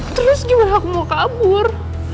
terus gimana aku mau kabur